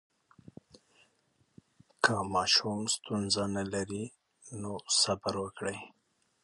که ماشوم ستونزه نه مني، صبر وکړئ.